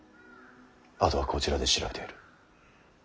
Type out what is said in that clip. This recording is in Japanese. あとはこちらで調べてみる。